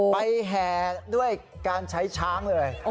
แห่ด้วยการใช้ช้างเลย